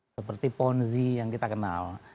seperti ponzi yang kita kenal